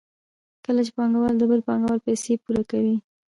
کله چې پانګوال د بل پانګوال پیسې پور کوي